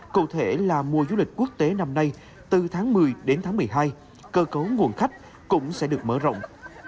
cụ thể là mùa du lịch quốc tế năm nay từ tháng một mươi đến tháng một mươi hai cơ cấu nguồn khách cũng sẽ được mở rộng